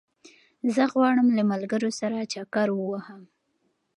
زه غواړم له ملګرو سره چکر ووهم